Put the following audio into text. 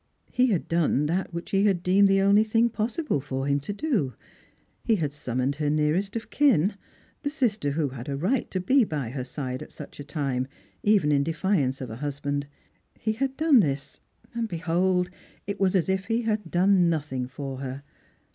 He had done that which he had deemed the only thing pos sible for him to do. He had summoned her nearest of kin, the sister who had a right to be by her side at such a time, even in defiance of a husband. He had done this, and behold! it wa» as if he had done nothing for her.